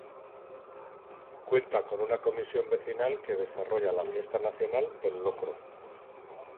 Cuenta con una Comisión Vecinal que desarrolla la Fiesta Nacional del Locro.